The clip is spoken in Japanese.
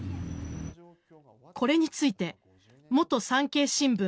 これについて元産経新聞